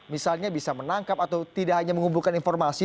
misalnya bisa menangkap atau tidak hanya mengumpulkan informasi